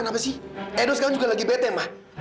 kenapa sih edo sekarang juga lagi bete mah